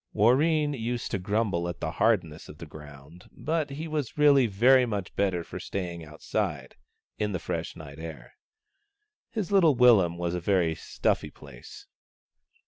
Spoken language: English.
Warreen used to grumble at the hardness of the ground, but he was really very much better for stay ing outside, in the fresh night air. His little willum was a very stuffy place.